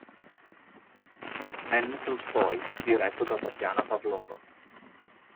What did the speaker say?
N. Tolstoj, diretto da Tatiana Pavlova.